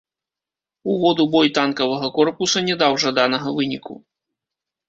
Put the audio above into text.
Увод у бой танкавага корпуса не даў жаданага выніку.